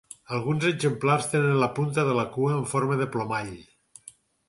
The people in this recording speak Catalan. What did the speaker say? Alguns exemplars tenen la punta de la cua en forma de plomall.